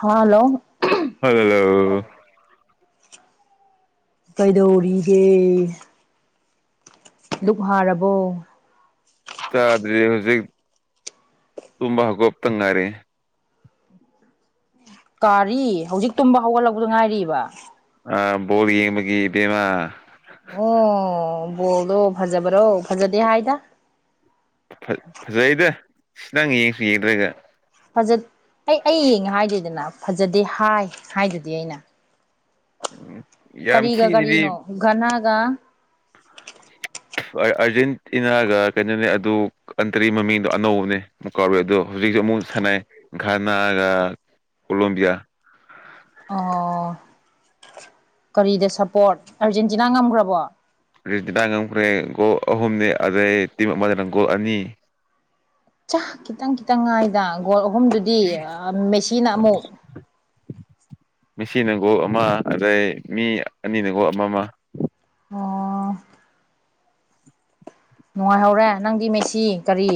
Hello hello ꯀꯩꯗꯧꯔꯤꯒꯦ ꯗꯨꯛ ꯍꯥꯔꯕꯣ ꯆꯥꯗ꯭ꯔꯤ ꯍꯧꯖꯤꯛ ꯇꯨꯝꯕ ꯍꯧꯒꯣꯞꯇ ꯉꯥꯏꯔꯦ ꯀꯥꯔꯤ ꯍꯧꯖꯤꯛ ꯇꯨꯝꯕ ꯍꯧꯒꯠꯂꯛꯄꯗꯨ ꯉꯥꯏꯔꯤꯕ ꯑ ꯕꯣꯜ ꯌꯦꯡꯕꯒꯤꯕꯦꯝꯃꯥ ꯑꯣ ꯕꯣꯜꯗꯣ ꯐꯖꯕ꯭ꯔꯣ ꯐꯖꯗꯦ ꯍꯥꯏꯗ ꯐꯖꯩꯗ ꯁꯤ ꯅꯪ ꯌꯦꯡꯁꯨ ꯌꯦꯡꯗ꯭ꯔꯒ ꯐꯖꯠ ꯑꯩ-ꯑꯩ ꯌꯦꯡꯉꯦ ꯍꯥꯏꯗꯦꯗꯅ ꯐꯖꯗꯦ ꯍꯥꯏ -ꯍꯥꯏꯗꯨꯗꯤ ꯑꯩꯅ ꯌꯥꯝ ꯊꯤꯅꯗꯤ ꯀꯔꯤꯒ-ꯀꯔꯤꯅꯣ ꯒꯥꯅꯥꯒ ꯑꯥꯔ-ꯑꯥꯔꯖꯦꯟꯇꯤꯅꯥꯒ ꯀꯩꯅꯣꯅꯦ ꯑꯗꯨ ꯀꯟꯇ꯭ꯔꯤ ꯃꯃꯤꯡꯗꯣ ꯑꯅꯧꯕꯅꯦ ꯑꯃꯨꯛ ꯀꯥꯎꯔꯦ ꯑꯗꯣ ꯍꯧꯖꯤꯛꯁꯨ ꯑꯃꯨꯛ ꯁꯥꯟꯅꯩ ꯈꯥꯅꯥꯒ ꯀꯣꯂꯣꯕꯤꯌꯥ ꯑꯣ ꯀꯥꯔꯤꯗ ꯁꯞꯄꯣꯔꯠ ꯑꯔꯖꯦꯟꯇꯤꯅꯥ ꯉꯝꯒ꯭ꯔꯥꯕꯣ ꯔꯗ ꯉꯝꯈ꯭ꯔꯦ ꯒꯣꯜ ꯑꯍꯨꯝꯅꯤ ꯑꯗꯩ ꯇꯤꯝ ꯑꯃꯗꯅ ꯒꯣꯜ ꯑꯅꯤ ꯆꯥꯛ ꯈꯤꯇꯪ-ꯈꯤꯇꯪ ꯉꯥꯏꯗ ꯒꯣꯜ ꯑꯍꯨꯝꯗꯨꯗꯤ ꯑꯥ ꯃꯦꯁꯤꯅ ꯑꯃꯨꯛ ꯃꯤꯁꯤꯅꯒ ꯑꯃ ꯑꯗꯩ ꯃꯤ ꯑꯅꯤꯅꯒꯣ ꯑꯃ ꯑꯃ ꯑꯣ ꯅꯨꯡꯉꯥꯏꯍꯧꯔꯦ ꯅꯪꯗꯤ ꯃꯩꯁꯤ ꯀꯔꯤ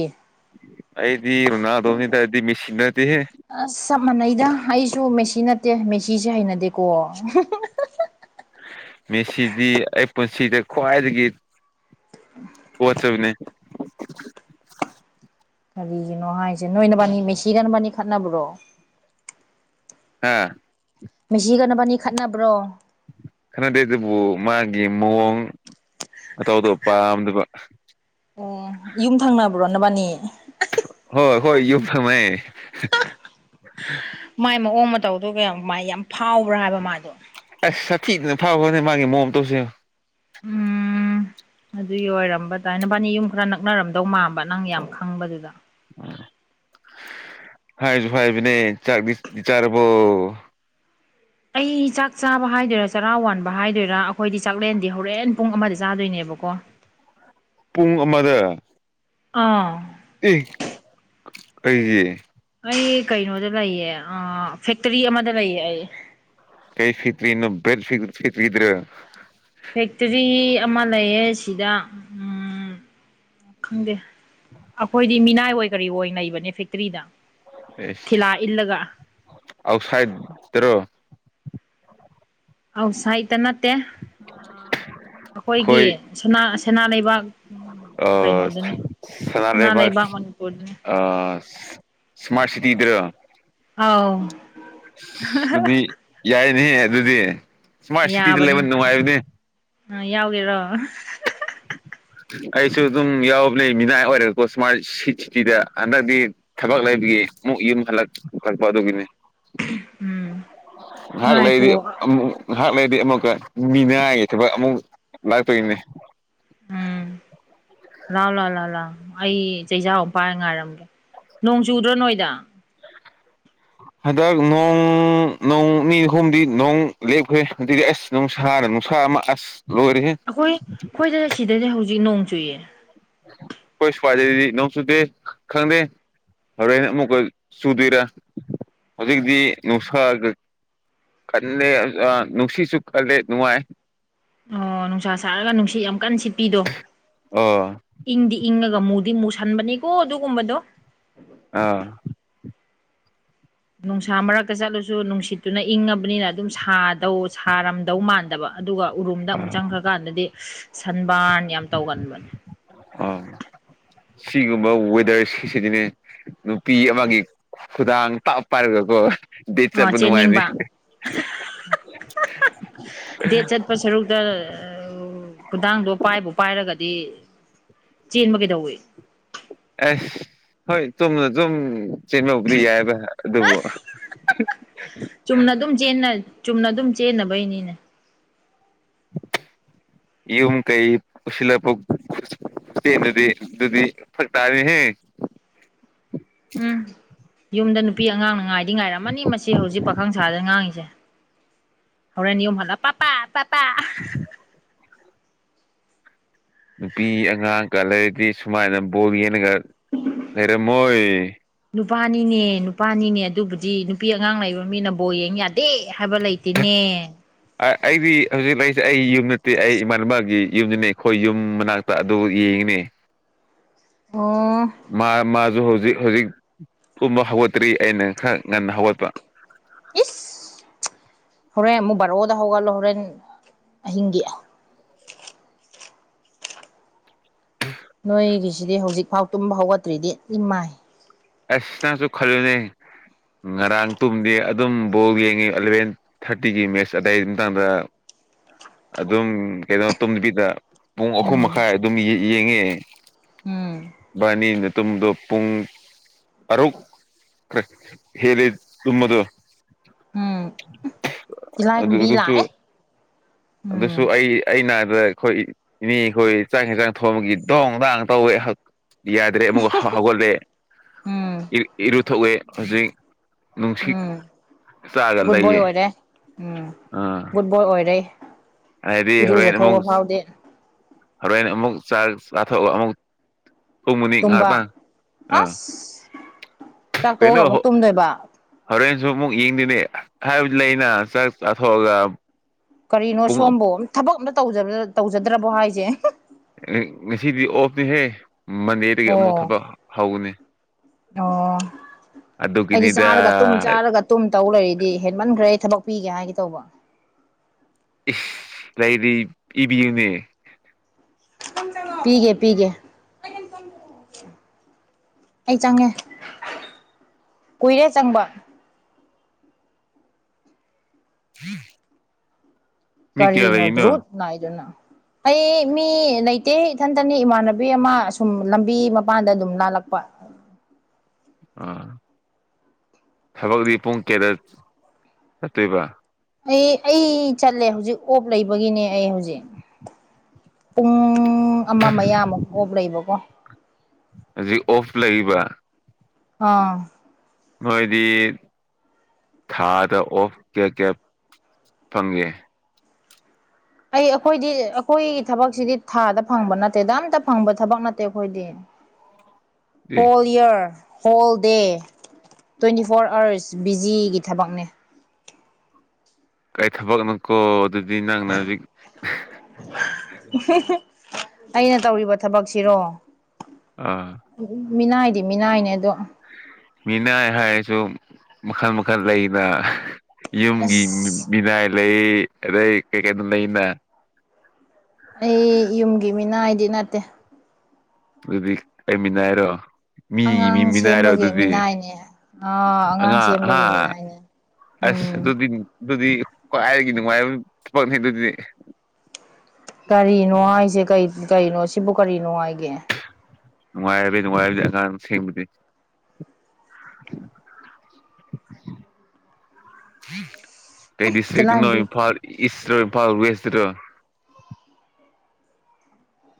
ꯑꯩꯗꯤ ꯔꯣꯅꯥꯜꯗꯣꯅꯤꯗ ꯃꯦꯁꯤ ꯅꯠꯇꯦꯍꯦ ꯑꯁ ꯆꯞ ꯃꯥꯟꯅꯩꯗ ꯑꯩꯁꯨ ꯃꯦꯁꯤ ꯅꯠꯇꯦ ꯃꯦꯁꯤꯁꯦ ꯍꯩꯅꯗꯦꯀꯣ ꯃꯦꯁꯤꯗꯤ ꯑꯩ ꯄꯨꯟꯁꯤꯗ ꯈ꯭ꯋꯥꯏꯗꯒꯤ ꯄꯣꯠꯆꯕꯅꯦ ꯀꯔꯤꯒꯤꯅꯣ ꯍꯥꯏꯁꯦ ꯅꯣꯏꯅꯕꯥꯅꯤ ꯃꯦꯁꯤꯔꯅꯕꯥꯅꯤ ꯈꯠꯅꯕ꯭ꯔꯣ ꯍꯥ ꯃꯦꯁꯤꯒ ꯅꯥꯕꯥꯟꯅꯤ ꯈꯠꯅꯕ꯭ꯔꯣ ꯈꯅꯗꯦ ꯑꯗꯨꯕꯨ ꯃꯥꯒꯤ ꯃꯑꯣꯡ ꯑꯇꯧ ꯑꯇꯣꯞ ꯄꯥꯝꯗꯕ ꯎꯝ ꯌꯨꯝ ꯊꯪꯅꯕ꯭ꯔꯣ ꯅꯕꯥꯅꯤ ꯍꯣꯏ-ꯍꯣꯏ ꯌꯨꯝꯊꯥꯃꯦ [inaudible] ꯃꯥꯏ ꯃꯑꯣꯡ ꯃꯇꯧꯗꯨꯒ ꯃꯥꯏ ꯌꯥꯝ ꯐꯥꯎꯕ꯭ꯔꯥ ꯍꯥꯏꯕ ꯃꯥꯥꯏꯗꯣ ꯑꯁ ꯁꯥꯊꯤꯗꯅ ꯐꯥꯎꯈ꯭ꯔꯅꯦ ꯃꯥꯒꯤ ꯃꯣꯝ ꯇꯧꯁ ꯎꯝ ꯑꯗꯨꯒꯤ ꯑꯣꯏꯔꯝꯕꯗꯥꯥꯏꯅꯕꯥꯅꯤ ꯌꯨꯝ ꯈꯔ ꯅꯛꯅꯔꯝꯗꯧ ꯃꯥꯝꯕ ꯅꯪ ꯌꯥꯝ ꯈꯪꯕꯗꯨꯗ ꯍꯥꯏꯖꯨ ꯍꯥꯏꯕꯅꯦ ꯆꯥꯛ ꯆꯥꯔꯕꯣ ꯑꯩ ꯆꯥꯛ ꯆꯥꯕ ꯍꯥꯏꯗꯣꯏꯔꯥ ꯆꯔꯥ ꯋꯥꯟꯕ ꯍꯥꯏꯗꯣꯏꯔꯥ ꯑꯈꯣꯏꯗꯤ ꯆꯥꯛꯂꯦꯟꯗꯤ ꯍꯣꯔꯦꯟ ꯄꯨꯡ ꯑꯃꯗ ꯆꯥꯗꯣꯏꯅꯦꯕꯀꯣ ꯄꯨꯡ ꯑꯃꯗ ꯑꯥ ꯑꯦ ꯑꯩꯒꯤ ꯑꯩ ꯀꯩꯅꯣꯗ ꯂꯩꯌꯦ ꯑꯥ ꯐꯦꯛꯇꯥꯔꯤ ꯑꯃꯗ ꯂꯩꯌꯦ ꯑꯩ ꯀꯩ ꯐꯤꯇꯔꯤ ꯏꯕꯦꯔ ꯁꯤꯒ ꯁꯤꯤꯇꯔꯤꯗ꯭ꯔꯣ ꯐꯦꯛꯇꯔꯤ ꯑꯃ ꯂꯩꯌꯦ ꯁꯤꯗ ꯎꯝ ꯈꯪꯗꯦ ꯑꯈꯣꯏꯗꯤ ꯃꯤꯅꯥꯏ ꯑꯣꯏ ꯀꯔꯤꯑꯣꯏ ꯂꯩꯕꯅꯦ ꯐꯦꯛꯇ꯭ꯔꯤꯗ ꯑꯦꯁ ꯑꯥꯎ꯭ꯠꯁꯥꯏꯇꯥꯔꯣ ꯑꯥꯎꯁꯥꯏꯠꯇ ꯅꯠꯇꯦ ꯑꯈꯣꯏꯒꯤ ꯁꯥꯅꯥ-ꯁꯅꯥ ꯂꯩꯕꯥꯛ ꯑꯣ ꯀꯩꯅꯣꯗꯨꯅꯤ ꯁꯅꯥ ꯂꯩꯕ ꯂꯩꯕꯥꯛ ꯃꯅꯤꯄꯨꯔꯗꯨꯅꯤ ꯑꯥꯁ ꯏ꯭ꯁꯃꯥꯠ ꯁꯤꯇꯤꯗ꯭ꯔꯥ ꯑꯥꯎ ꯑꯗꯨꯗꯤ ꯌꯥꯏꯅꯦ ꯑꯗꯨꯗꯤ ꯏ꯭ꯁꯃꯥꯔꯠ ꯁꯤꯇꯤꯗ ꯌꯥꯕꯅꯤ ꯂꯩꯕ ꯅꯨꯡꯉꯥꯏꯕꯅꯦ ꯌꯥꯎꯒꯦꯔꯣ ꯑꯩꯁꯨ ꯑꯗꯨꯝ ꯌꯥꯎꯕꯅꯦ ꯃꯤꯅꯥꯏ ꯑꯣꯏꯔꯒ ꯏ꯭ꯁꯃꯥꯔꯠ ꯁꯤꯇꯤꯗ ꯍꯟꯗꯛꯇꯤ ꯊꯕꯛ ꯂꯩꯕꯒꯤ ꯑꯃꯨꯛ ꯌꯨꯝ ꯍꯜꯂꯛ ꯄꯨꯈꯠꯛꯄ ꯑꯗꯨꯒꯤꯅꯤ ꯎꯝ ꯉꯥꯍꯥꯛ ꯉꯥꯏꯈꯣ ꯂꯩꯔꯤ ꯑꯃꯨꯛ ꯉꯥꯏꯍꯥꯛ ꯂꯩꯔꯗꯤ ꯑꯃꯨꯛꯀ ꯃꯤꯅꯉꯥꯏꯒꯤ ꯊꯕꯛ ꯑꯃꯨꯛ ꯂꯥꯛꯇꯣꯏꯒꯤꯅꯤ ꯂꯥꯎ-ꯂꯎ-ꯂꯥꯎ-ꯂꯥꯎ ꯑꯩ ꯆꯩꯖꯥꯎ ꯑꯃ ꯄꯥꯏꯔꯥ ꯉꯥꯏꯔꯝꯒꯦ ꯅꯣꯡ ꯆꯨꯗ꯭ꯔꯣ ꯅꯣꯏꯗ ꯍꯟꯗꯛ ꯅꯣꯡ-ꯅꯣꯡ-ꯅꯤ ꯑꯍꯨꯝꯗꯤ ꯅꯣꯡ ꯂꯦꯞꯈ꯭ꯔꯦ ꯑꯗꯨꯗꯤ ꯑꯁ ꯅꯨꯡꯁꯥꯅ ꯅꯨꯡꯁꯥ ꯑꯃ ꯑꯁ ꯂꯣꯏꯔꯦꯍꯦ ꯑꯩꯈꯣꯏ ꯑꯩꯈꯣꯏꯗ ꯁꯤꯗꯗꯤ ꯍꯧꯖꯤꯛ ꯅꯣꯡ ꯆꯨꯏꯌꯦ ꯑꯩꯈꯣꯏ ꯁꯨꯋꯥꯏꯗꯗꯤ ꯅꯣꯡ ꯆꯨꯗꯦ ꯈꯪꯗꯦ ꯍꯣꯔꯦꯟꯦꯟ ꯑꯃꯨꯛꯀ ꯆꯨꯗꯣꯏꯔꯥ ꯍꯧꯖꯤꯛꯇꯤ ꯅꯨꯡꯁꯥꯒ ꯀꯜꯂꯦ ꯑꯥ ꯅꯨꯡꯁꯤꯠꯁꯨ ꯀꯜꯂꯦ ꯅꯨꯡꯉꯥꯏ ꯑꯣ ꯅꯨꯡꯁꯥ ꯁꯥꯔꯒ ꯅꯨꯡꯁꯤꯠ ꯌꯥꯝ ꯀꯟꯅ ꯁꯤꯠꯄꯤꯗꯣ ꯑꯣ ꯏꯪꯗꯤ ꯏꯪꯉꯥꯒ ꯃꯨꯗꯤ ꯃꯨꯁꯟꯕꯅꯤꯀꯣ ꯑꯗꯨꯒꯨꯝꯕꯗꯣ ꯑꯥ ꯅꯨꯡꯁꯥ ꯃꯔꯛꯇ ꯆꯠꯂꯨꯁꯨ ꯅꯨꯡꯁꯤꯠꯇꯨꯅ ꯏꯪꯉꯕꯅꯤꯅ ꯑꯗꯨꯝ ꯁꯥꯗꯧ ꯁꯥꯔꯝꯗꯧ ꯃꯥꯟꯗꯕ ꯑꯗꯨꯒ ꯎꯔꯨꯝꯗ ꯑꯃꯨꯛ ꯆꯪꯈ꯭ꯔꯀꯥꯟꯗꯗꯤ ꯁꯟꯕꯥꯟ ꯌꯥꯝ ꯇꯧꯒꯟꯕꯅꯦ ꯑꯥ ꯁꯤꯒꯨꯝꯕ ꯋꯦꯗꯔ ꯁꯤ-ꯁꯤꯗꯤꯅꯦ ꯅꯨꯄꯤ ꯑꯃꯒꯤ ꯈꯨꯗꯥꯡ ꯇꯞ ꯄꯥꯏꯔꯒꯀꯣ ꯗꯦꯠ ꯑ ꯆꯠꯄ ꯅꯨꯡꯉꯥꯏꯝꯅꯤ ꯆꯦꯟꯅꯤꯡꯕ ꯗꯦꯠ ꯆꯠꯄ ꯁꯔꯨꯛꯇ ꯈꯨꯗꯥꯡꯗꯣ ꯄꯥꯏꯕꯨ ꯄꯥꯏꯔꯒꯗꯤ ꯆꯦꯟꯕ ꯀꯩꯗꯧꯏ ꯑꯁ ꯍꯣꯏ ꯇꯨꯝꯅꯗꯨꯨꯝ ꯆꯦꯟꯕꯕꯨꯗꯤ ꯌꯥꯏꯌꯦꯕ ꯑꯗꯨꯕꯨ ꯆꯨꯝꯅ ꯑꯗꯨꯝ ꯆꯦꯟꯅ ꯆꯨꯝꯅ ꯑꯗꯨꯝ ꯆꯦꯟꯅꯕꯩꯅꯤꯅꯦ [unintelligible] [inaudible] ꯌꯨꯝ ꯀꯩ ꯄꯨꯁꯤꯜꯂꯛꯄ ꯈꯨ ꯁꯤ ꯑꯗꯨꯗꯤ ꯑꯗꯨꯗꯨꯗꯤ ꯐ ꯇ ꯍꯥꯏ ꯍ ꯎꯝ ꯌꯨꯝꯗ ꯅꯨꯄꯤ ꯑꯉꯥꯡꯅ ꯉꯥꯏꯗꯤ ꯉꯥꯏꯔꯝꯃꯅꯤ ꯃꯁꯤ ꯍꯧꯖꯤꯛ ꯄꯥꯈꯪ ꯁꯥꯥꯗꯅ ꯉꯥꯡꯉꯤꯁꯦ ꯍꯧꯔ ꯅꯤꯝ ꯍꯜꯂ ꯄꯄ ꯄꯄ ꯅꯨꯄꯤ ꯑꯉꯥꯡꯒ ꯂꯩꯔꯗꯤ ꯁꯨꯃꯥꯏꯅ ꯕꯣꯜ ꯌꯦꯡꯉꯥꯒ ꯂꯩꯔꯝꯃꯣꯏ ꯅꯨꯄꯥꯅꯤꯅꯦ ꯅꯨꯄꯥꯅꯤꯅꯦ ꯑꯗꯨꯕꯨꯗꯤ ꯅꯨꯄꯤ ꯑꯉꯥꯡ ꯂꯩꯕ ꯃꯤꯅ ꯕꯣ ꯌꯦꯡ ꯌꯥꯗꯦ ꯍꯥꯏꯕ ꯂꯩꯇ ꯇꯅꯦ ꯑꯥ-ꯑꯩꯗꯤ ꯍꯧꯖꯤꯛ ꯂꯩꯔꯤꯁꯦ ꯑꯩ ꯌꯨꯝ ꯅꯠꯇꯦ ꯑꯩ ꯏꯃꯥꯟꯅꯕꯒꯤ ꯌꯨꯝꯗꯅꯦ ꯑꯩꯈꯣꯏ ꯌꯨꯝ ꯃꯅꯥꯛꯇ ꯑꯗꯨ ꯌꯦꯡꯉꯤꯅꯦ ꯑꯣ ꯃꯥ-ꯃꯥꯖꯨ ꯍꯧꯖꯤꯛ-ꯍꯧꯖꯤꯛ ꯀꯨꯝꯕ ꯍꯧꯒꯠꯇ꯭ꯔꯤ ꯑꯩꯅ ꯈꯔ ꯉꯟꯅ ꯍꯧꯒꯠꯄ ꯏꯁ ꯍꯣꯔꯦꯟ ꯑꯃꯨꯛ ꯕꯥꯔꯣꯗ ꯍꯧꯒꯠꯂꯣ ꯍꯣꯔꯦꯟ ꯑꯍꯤꯡꯒꯤ ꯅꯣꯏꯒꯤꯁꯤꯗꯤ ꯍꯧꯖꯤꯛꯐꯥꯎ ꯇꯨꯝꯕ ꯍꯧꯒꯠꯇ꯭ꯔꯤꯗꯤ ꯏ ꯃꯥꯏ ꯑꯁ ꯅꯪꯁꯨ ꯈꯜꯂꯨꯅꯦ ꯉꯔꯥꯡ ꯇꯨꯝꯗꯦ ꯑꯗꯨꯝ ꯕꯣꯜ ꯌꯦꯡꯉꯦ ꯑꯥꯂꯥꯚꯦꯟ ꯊꯥꯔꯇꯤꯒꯤ ꯃꯦꯠꯆ ꯑꯗꯥꯏ ꯃꯇꯥꯡꯗ ꯑꯗꯨꯝ ꯀꯩꯩꯅꯣ ꯇꯨꯝ ꯅꯨꯕꯤꯗ ꯄꯨꯡ ꯑꯍꯨꯝ ꯎꯝ ꯃꯈꯥꯏ ꯑꯗꯨꯝ ꯌꯦꯡꯉꯦ ꯎꯝ ꯕꯥꯔꯅꯤꯗꯣ ꯄꯨꯡ ꯑꯔꯣ ꯀ ꯍꯦꯜꯂꯤ ꯇꯃꯗꯨ ꯎꯝ ꯑꯗꯨ ꯇꯤꯜꯂꯥꯏꯈꯨꯝꯕꯤ ꯑꯗꯨꯁꯨ ꯂꯥꯛꯑꯦ ꯑꯗꯨꯁꯨ ꯎꯝ ꯑꯩ ꯑꯩꯅ ꯍꯥꯏꯕ ꯑꯈꯣꯏ ꯏꯅꯦ ꯈꯣꯏ ꯆꯥꯛ ꯍꯦꯟꯖꯥꯡ ꯊꯣꯡꯕꯒꯤ ꯗꯣꯡ-ꯗꯥꯡ ꯇꯧꯋꯦ ꯌꯥꯗ꯭ꯔꯦ ꯑꯃ ꯍꯒꯣꯜ꯭ꯔꯦ ꯎꯝ ꯏ-ꯏꯔꯨꯊꯣꯛꯑꯦ ꯍꯧꯖꯤꯛ ꯅꯨꯡꯁꯤꯠ ꯎꯝ ꯆꯥꯔꯒ ꯒꯨꯗ ꯕꯣꯏ ꯂꯩꯌꯦ ꯑꯣꯏꯔꯦ ꯎꯝ ꯑꯥ ꯒꯨꯗ ꯕꯣꯏ ꯑꯣꯏꯔꯦ ꯍꯥꯏꯗꯤ ꯏꯔꯨꯖꯤꯊꯣꯛꯕ ꯐꯥꯎꯗꯦ ꯍꯣꯔꯦꯟꯅ ꯑꯃꯨꯛ ꯆꯥꯔ ꯂꯥꯊꯣꯛꯑꯑꯣ ꯑꯃꯨꯛ ꯊꯣꯡ ꯃꯨꯅꯤ ꯇꯨꯝꯕ ꯉꯥꯏꯍꯥꯛꯄꯪ ꯑꯥ ꯀꯩꯅꯣ ꯆꯥꯛꯇꯣꯛꯑꯒ ꯑꯃꯨꯛ ꯇꯨꯝꯗꯣꯏꯕ ꯍꯣꯔꯦꯟꯁꯨ ꯑꯃꯨꯛ ꯌꯦꯡꯗꯣꯏꯅꯦ ꯍꯥꯏꯕꯗꯤ ꯂꯩꯅ ꯆꯥꯛ ꯆꯥꯊꯣꯛꯑꯒ ꯀꯔꯤꯅꯣ ꯄꯨꯡ ꯁꯣꯝꯕꯨ ꯊꯕꯛ ꯑꯝꯇ ꯇꯧꯖꯗ꯭ꯔꯕꯣ ꯍꯥꯏꯁꯦ ꯉꯁꯤꯗꯤ ꯑꯣꯐꯅꯤꯍꯦ ꯃꯟꯗꯦꯗꯒꯤ ꯑꯃꯨꯛ ꯑꯣ ꯊꯕꯛ ꯍꯧꯒꯅꯤ ꯑꯣ ꯑꯩꯗꯤ ꯑꯗꯨꯒꯤꯅꯤꯗ ꯆꯥꯔꯒ ꯇꯨꯝ ꯆꯥꯔꯒ ꯇꯨꯝ ꯇꯧ ꯂꯩꯔꯤꯗꯤ ꯍꯦꯟꯃꯟꯈ꯭ꯔꯦ ꯊꯕꯛ ꯄꯤꯒꯦ ꯍꯥꯏꯒꯦ ꯇꯧꯕ ꯏꯁ ꯂꯩꯗꯤ ꯏꯕꯤꯌꯨꯅꯦ ꯄꯤꯒꯦ ꯄꯤꯒꯦ ꯑꯩ ꯆꯪꯉꯦ ꯀꯨꯏꯔꯦ ꯆꯪꯕ ꯎꯝ ꯀꯔꯤꯅꯣ ꯗ꯭ꯔꯨꯠ ꯅꯥꯏꯗꯅ ꯑꯩ ꯃꯤ ꯂꯩꯇꯦ ꯏꯊꯟꯇꯅꯤ ꯏꯃꯥꯟꯅꯕꯤ ꯑꯃ ꯑ ꯁꯨꯝ ꯂꯝꯕꯤ ꯃꯄꯥꯟꯗ ꯑꯗꯨꯝ ꯂꯥꯜꯂꯛꯄ ꯑꯥ ꯊꯕꯛꯗꯤ ꯄꯨꯡ ꯀꯌꯥꯗ ꯆꯠꯇꯣꯏꯕ ꯑꯩ ꯑꯩ ꯆꯠꯂꯦ ꯍꯧꯖꯤꯛ ꯑꯣꯞ ꯂꯩꯕꯒꯤꯅꯦ ꯑꯩ ꯍꯧꯖꯤꯛ ꯄꯨꯡ ꯄꯨꯡ ꯑꯃ ꯃꯌꯥꯃꯨꯛ ꯀꯣꯞ ꯂꯩꯕꯀꯣ ꯍꯧꯖꯤꯛ ꯑꯣꯐ ꯂꯩꯕ ꯑꯥ ꯅꯣꯏꯗꯤ ꯊꯥꯗ ꯑꯣꯐ ꯀꯌꯥ ꯀꯌꯥ ꯐꯪꯉꯦ ꯑꯩ ꯑꯩꯈꯣꯏꯗꯤ ꯑꯩꯈꯣꯏꯒꯤ ꯊꯕꯛꯁꯤꯗꯤ ꯊꯥꯗ ꯐꯪꯕ ꯅꯠꯇꯦꯗ ꯑꯝꯇ ꯐꯪꯕ ꯊꯕꯛ ꯅꯠꯇꯦ ꯑꯩꯈꯣꯏꯗꯤ whole year whole day twenty four hours ꯕꯤꯖꯤꯒꯤ ꯊꯕꯛꯅꯦ ꯀꯥꯏ ꯊꯕꯛꯅꯣꯀꯣ ꯑꯗꯨꯗꯤ ꯅꯪꯅ ꯍꯧꯖꯤꯛ ꯑꯩꯅ ꯇꯧꯔꯤꯕ ꯊꯕꯛꯁꯤꯔꯣ ꯑꯥ ꯃꯤꯅꯥꯏꯗꯤ ꯃꯤꯅꯥꯏꯅꯦ ꯑꯗꯣ ꯃꯤꯅ ꯍꯥꯏꯔꯁꯨ ꯃꯈꯜ ꯃꯈꯜ ꯂꯩꯅ ꯌꯨꯝꯒꯤ ꯑꯁ ꯃꯤꯅꯥꯏ ꯂꯩ ꯑꯗꯩ ꯀꯩ ꯀꯩꯅꯣ ꯂꯩꯅ ꯑꯩ ꯌꯨꯝꯒꯤ ꯃꯤꯅꯥ ꯑꯩꯗꯤ ꯅꯠꯇꯦ ꯑꯗꯨꯗꯤ ꯑꯩꯃꯤꯅꯥꯏꯔꯣ ꯃꯤꯒꯤ ꯃꯤ ꯑꯉꯥꯡ ꯃꯤꯅ ꯍꯥꯏꯔꯣ ꯁꯦꯝꯕꯒꯤ ꯑꯗꯨꯗꯤ ꯃꯤꯅꯥꯏꯅꯦ ꯑꯥ ꯑꯉꯥꯡ ꯍꯥ ꯁꯦꯝꯕꯒꯤ ꯃꯤꯅꯥꯏꯅꯦ ꯑꯁ ꯎꯝ ꯑꯗꯨꯗꯤ ꯑꯗꯨꯗꯤ ꯍꯥꯏꯔꯒꯤ ꯅꯨꯡꯉꯥꯏ ꯄꯛꯅꯤ ꯑꯗꯨꯗꯤ ꯀꯔꯤꯅꯣ ꯍꯥꯏꯁꯦ ꯀꯔꯤꯩꯅꯣ ꯁꯤꯕꯨ ꯀꯔꯤ ꯅꯨꯡꯉꯥꯏꯒꯦ ꯅꯨꯡꯉꯥꯏꯕꯤ ꯅꯨꯡꯉꯥꯏꯕꯗꯤꯉ ꯊꯦꯡꯕꯗꯤ [inaudible] ꯀꯩ ꯗꯤꯁꯇ꯭ꯛ ꯅ ꯏꯆꯦꯂꯥꯏꯝꯕꯤ ꯏꯝꯐꯥꯜ ꯏꯁ ꯏꯝꯐꯥꯜ ꯋꯦꯁ ꯔ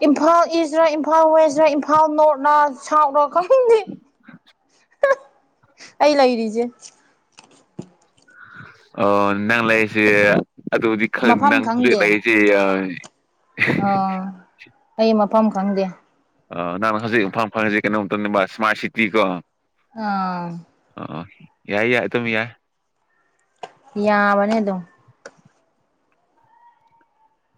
ꯏꯝꯐꯥꯜ ꯏꯁꯔ ꯏꯝꯐꯥꯜ ꯋꯦꯁꯔ ꯏꯝꯐꯥꯜ ꯅꯣꯔꯠꯅ ꯁꯥꯎꯠꯅ ꯈ ꯑꯩ ꯂꯩꯔꯤꯖꯦ ꯑꯣ ꯅꯪ ꯂꯩꯁꯤꯦ ꯑꯗꯨꯗꯤ ꯈꯔ ꯃꯐꯝ ꯅꯪꯖꯤ ꯈꯪꯗꯦ ꯂꯥꯛꯏꯁꯦ ꯑꯥ ꯑꯩ ꯃꯐꯝ ꯈꯪꯗꯦ ꯅꯪꯅ ꯍꯧꯖꯤꯛ ꯏꯝꯐꯥꯜ ꯐꯪꯉꯁꯤ ꯀꯩꯅꯣꯝꯇꯅꯦꯕ ꯏꯁꯃꯥꯔꯠ ꯁꯤꯇꯤ ꯀꯣ ꯑꯥ ꯑꯣ ꯌꯥꯏ ꯌꯥꯏ ꯑꯗꯨꯝ ꯌꯥꯏ ꯄꯌꯥꯕꯅꯦꯗꯣ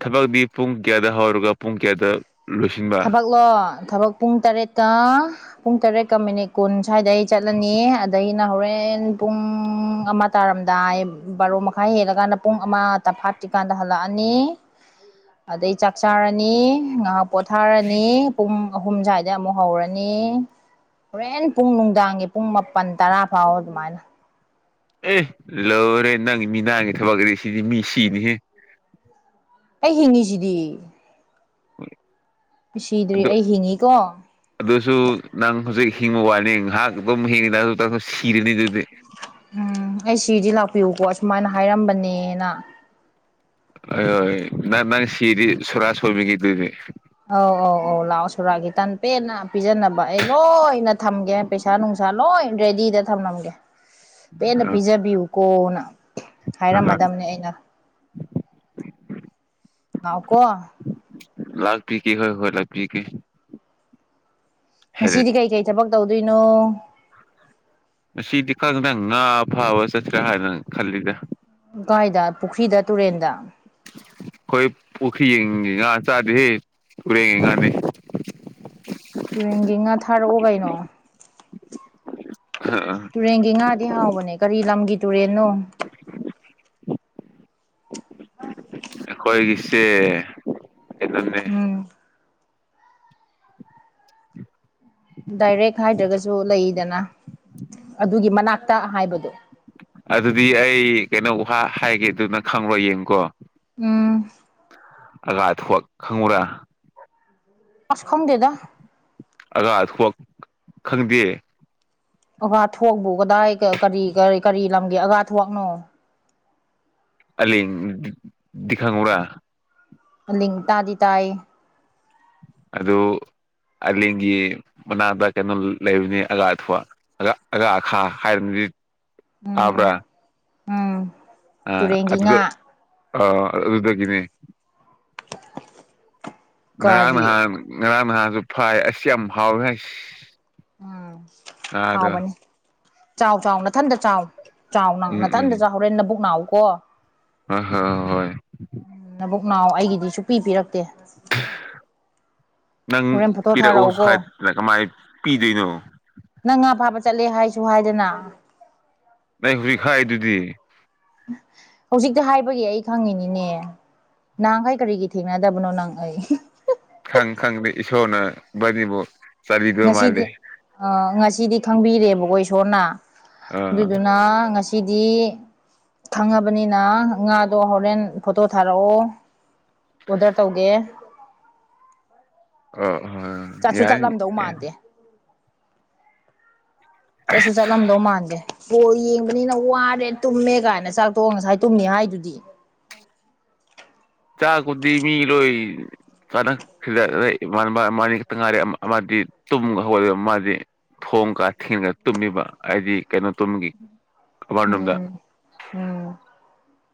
ꯊꯕꯛꯇꯤ ꯄꯨꯡ ꯀꯌꯥꯗ ꯍꯧꯔꯒ ꯄꯨꯡ ꯀꯌꯥꯗ ꯂꯣꯏꯁꯤꯟꯕ ꯊꯣꯛꯥꯛꯂꯣ ꯊꯕꯛ ꯄꯨꯡ ꯇꯔꯦꯠꯇ ꯄꯨꯡ ꯇꯔꯦꯠꯀ ꯃꯤꯅꯤꯠ ꯀꯨꯟ ꯁ꯭ꯋꯥꯏꯗ ꯑꯩ ꯆꯠꯂꯅꯤ ꯑꯗꯗꯒꯤꯅ ꯍꯣꯔꯦꯟ ꯄꯨꯡ ꯑꯃ ꯇꯥꯔꯝꯈꯥꯏ ꯕꯥꯔꯣ ꯃꯈꯥꯏ ꯍꯦꯜꯂꯀꯥꯟꯗ ꯄꯨꯡ ꯑꯃ ꯇꯐꯥꯠꯇ꯭ꯔꯤꯀꯥꯟꯗ ꯍꯜꯂꯛꯑꯅꯤ ꯑꯗꯩ ꯆꯥꯛ ꯆꯥꯔꯅꯤ ꯉꯥꯏꯍꯥꯛ ꯄꯣꯊꯥꯔꯅꯤ ꯄꯨꯝ ꯑꯍꯨꯝ ꯁ꯭ꯋꯥꯏꯗꯩ ꯑꯃꯨꯛ ꯍꯧꯔꯅꯤ ꯍꯣꯔꯦꯟ ꯄꯨꯡ ꯅꯨꯡꯗꯥꯡꯒꯤ ꯄꯨꯡ ꯃꯥꯄꯜ ꯇꯔꯥ ꯐꯥꯎ ꯑꯗꯨꯃꯥꯏꯅ ꯑꯦ ꯂꯧꯔꯦ ꯅꯪ ꯃꯤ ꯅꯅꯥꯉꯦ ꯊꯕꯛꯗꯤ ꯁꯤꯗꯤ ꯃꯤ ꯁꯤꯅꯤꯍꯦ ꯑꯩ ꯍꯤꯡꯉꯤꯁꯤꯗꯤ ꯁꯤꯗꯔ꯭ꯤ ꯑꯗꯨ ꯑꯩꯒꯤꯅꯤ ꯀꯣ ꯑꯗꯨꯁꯨ ꯅꯪ ꯍꯧꯖꯤꯛ ꯍꯤꯡꯕ ꯋꯥꯅꯤ ꯉꯥꯏꯍꯥꯛ ꯑꯗꯨꯝ ꯍꯤꯡꯉꯤ ꯇ ꯇ ꯁꯤꯔꯅꯤ ꯑꯗꯨꯗꯤ ꯎꯝ ꯑꯩ ꯁꯤꯗꯤ ꯂꯥꯛꯄꯤꯌꯨꯀꯣ ꯁꯁꯨꯃꯥꯏꯅ ꯍꯥꯏꯔꯝꯕꯅꯦꯅ ꯑꯣꯏ ꯅꯪ ꯅꯪ ꯁꯤꯗꯤ ꯁꯣꯔꯥꯁ ꯑꯣꯏꯕꯤꯒꯤꯗꯨꯗꯤ ꯑꯧ ꯑꯧ ꯑꯧ ꯂꯥꯛꯑꯣ ꯁꯨꯔꯥꯒꯤ ꯇꯥꯟꯄꯦꯟꯅ ꯄꯤꯖꯅꯕ ꯑꯩ ꯂꯣꯏꯅ ꯊꯝꯒꯦ ꯄꯩꯁꯥ ꯅꯨꯡꯁꯥ ꯂꯣꯏ ꯔꯦꯗꯤꯗ ꯊꯝꯂꯝꯒꯦ ꯄꯦꯟꯅ ꯑ ꯄꯤꯖꯕꯤꯌꯨꯀꯣꯅ ꯍꯣꯏ ꯍꯣꯏ ꯍꯥꯏꯔꯝꯃꯗꯕꯅꯦ ꯑꯩꯅ ꯂꯛꯑꯣ ꯀꯣ ꯂꯥꯛꯄꯤꯒꯦ ꯍꯣꯏ ꯍꯣꯏ ꯂꯥꯛꯄꯤꯒꯦ ꯍꯦꯔꯦ ꯉꯁꯤꯗꯤ ꯀꯩꯀꯩ ꯊꯕꯛ ꯇꯧꯗꯣꯏꯅꯣ ꯉꯁꯤꯗꯤ ꯈꯗꯪ ꯉꯥ ꯐꯥꯕ ꯆꯠꯁꯤ꯭ꯔꯥ ꯍꯥꯏꯗꯅ ꯈꯜꯂꯤꯗ ꯎꯀꯥꯏꯗ ꯄꯨꯈ꯭ꯔꯤꯗ ꯇꯨꯔꯦꯟꯗ ꯑꯩꯈꯣꯏ ꯄꯨꯈ꯭ꯔꯤ ꯌꯦꯡꯉꯦ ꯉ ꯆꯥꯗꯦꯍꯦ ꯇꯨꯔꯦꯟ ꯉꯥꯅꯦ ꯇꯨꯔꯦꯟꯒꯤ ꯉꯥ ꯊꯥꯔꯛꯎ ꯀꯩꯅꯣ ꯍꯑꯥꯥ ꯇꯨꯔꯦꯟꯒꯤ ꯉꯥꯗꯤ ꯍꯥꯎꯕꯅꯦ ꯀꯔꯤ ꯂꯝꯒꯤ ꯇꯨꯔꯦꯟꯅꯣ? ꯈꯣꯏꯒꯤꯁꯦ ꯎꯝ ꯗꯥꯏꯔꯦꯛ ꯍꯥꯏꯗ꯭ꯔꯒꯁꯨ ꯂꯩꯗꯅ ꯑꯗꯨꯒꯤ ꯃꯅꯥꯛꯇ ꯍꯥꯏꯕꯗꯣ ꯑꯗꯨꯗꯤ ꯑꯩ ꯀꯩꯅꯣ ꯍꯥꯏꯒꯦꯗꯨꯅ ꯈꯪꯂꯔꯣ ꯌꯦꯡꯉꯨꯀꯣ ꯎꯝ ꯑꯒꯥ ꯑ ꯊꯣꯛꯑ ꯈꯪꯉꯨꯔꯥ ꯑꯁ ꯈꯪꯗꯦꯗ ꯑꯒ [unintelligible] ꯈꯪꯗꯦ ꯑꯒꯥ ꯊꯣꯛꯣꯛꯄ ꯀꯗꯥꯏ ꯀꯔꯤ ꯀꯔꯤ ꯀꯔꯤ ꯂꯝꯒꯦ ꯑꯒꯥ ꯊꯣꯛꯣꯛꯅꯣ ꯑꯂꯤꯗꯤ ꯀꯨꯪꯕꯔꯥ ꯂꯤꯡꯇꯥꯗꯤ ꯇꯥꯏ ꯑꯗꯨ ꯑꯂꯒꯤ ꯃꯅꯥꯗ ꯀꯩꯅꯣ ꯂꯩꯕꯅꯤ ꯑꯒꯥ ꯑꯊꯨꯋꯥ ꯎꯝ [unintelligible] ꯎꯝ ꯑ ꯇꯨꯔꯦꯟꯒꯤ ꯑꯗꯨꯗ ꯉꯥ ꯑ ꯑꯗꯨꯗꯒꯅꯦ ꯉꯔꯥꯡ ꯀꯔꯤ ꯅꯍꯥꯟ ꯉꯔꯥꯡ ꯅꯍꯥꯟꯁꯨ ꯐꯥꯏ ꯑꯁ ꯌꯥꯝ ꯍꯥꯎꯋꯦ꯫ ꯎꯝ ꯉꯥꯗꯣ ꯍꯥꯎꯕꯅꯤ ꯆꯥꯎ ꯆꯥꯎ ꯃꯊꯟꯇ ꯆꯥꯎ ꯆꯥꯎꯅ ꯎꯝ ꯎꯝ ꯅꯅꯥꯇꯟꯗ ꯆꯥꯎ ꯍꯣꯔꯦꯟ ꯅꯕꯨꯛ ꯅꯎꯀꯣ ꯍꯣꯏ ꯍꯣꯏ ꯍꯣꯏ ꯅꯕꯨꯛ ꯅꯥꯎ ꯑꯩꯒꯤꯗꯤ ꯁꯨꯞꯄꯤ ꯄꯤꯔꯛꯇꯦ ꯅꯪ ꯍꯣꯔꯦꯟ ꯐꯣꯇꯣ ꯄꯤꯔꯛꯑꯣ ꯊꯥꯔꯛꯎꯀꯣ ꯍꯥꯏꯗꯅ ꯀꯃꯥꯏꯅ ꯄꯤꯗꯣꯏꯅꯣ ꯅꯪ ꯉꯥ ꯐꯥꯕ ꯆꯠꯂꯦ ꯍꯥꯏꯁꯨ ꯍꯥꯏꯗꯅ ꯑꯩ ꯍꯧꯖꯤꯛ ꯈꯥꯏꯗꯨꯗꯤ ꯍꯧꯖꯤꯛ ꯍꯥꯏꯕꯒꯤ ꯑꯩ ꯈꯪꯉꯤꯅꯤꯅꯦ ꯅꯍꯥꯟꯈꯩ ꯀꯔꯤꯒꯤ ꯊꯦꯡꯅꯗꯕꯅꯣ ꯅꯍꯪ ꯑꯩ ꯈꯪ ꯈꯪꯗꯦ ꯏꯁꯣꯔꯅ ꯗꯤꯕꯨ ꯉꯁꯤꯗꯤ ꯉꯁꯤꯗꯤ ꯈꯪꯕꯤꯔꯦꯕꯀꯣ ꯏꯁꯣꯔꯅ ꯑꯥ ꯑꯗꯨꯗꯨꯅ ꯉꯁꯤ [unintelligible] ꯈꯪꯉꯕꯅꯤꯅ ꯉꯥꯗꯣ ꯍꯣꯔꯦꯟ ꯐꯣꯇꯣ ꯊꯥꯔꯛꯑꯣ ꯑꯣꯗꯔ ꯇꯧꯒꯦ ꯑꯣ ꯍ ꯆꯠꯁꯨ ꯆꯠꯂꯝꯗꯧ ꯃꯥꯟꯗꯦ ꯆꯠꯁꯨ ꯆꯠꯂꯝꯗꯧ ꯃꯥꯟꯁꯦ ꯀꯣ ꯌꯦꯡꯕꯅꯤꯅ ꯋꯥꯔꯦ ꯇꯨꯝꯃꯦ ꯀꯥꯏꯅ ꯆꯥꯛꯊꯣꯛꯑꯒ ꯉꯁꯥꯏ ꯇꯨꯝꯅꯤ ꯍꯥꯏꯗꯨꯗꯤ ꯆꯥꯛꯀꯨꯗꯤ ꯃꯤ ꯂꯣꯏ ꯐꯔꯦ ꯁꯤꯗ ꯏꯃꯥꯟꯅꯕ ꯏꯕꯥꯢꯅꯤ ꯈꯤꯠꯇ ꯉꯥꯏꯔꯦ ꯑꯃꯗꯤ ꯇꯨꯝꯍꯧꯒꯠꯂ ꯃꯥꯗꯤ ꯊꯣꯡꯀ ꯊꯤꯡꯉꯒ ꯇꯨꯝꯃꯦꯕ ꯍꯥꯏꯗꯤ ꯀꯩꯅꯣ ꯇꯨꯝꯕꯒꯤ ꯑꯃꯅꯨꯡꯗ ꯎꯝ ꯎꯝ